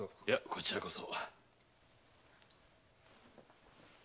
こちらこそ。